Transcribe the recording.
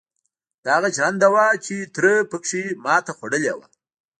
دا هغه ژرنده وه چې تره پکې ماتې خوړلې وه.